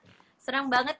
waduh senang banget